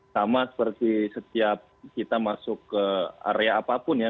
sama seperti setiap kita masuk ke area apa